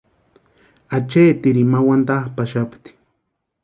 Acheetirini ma wantapʼaxapti.